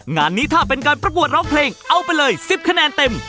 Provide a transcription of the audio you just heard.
งานนี้ถ้าเป็นการประกวดร้องเพลงเอาไปเลย๑๐คะแนนเต็ม